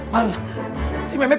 bang si memet